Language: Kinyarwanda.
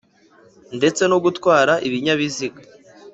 ndetse no gutwara ibinyabiziga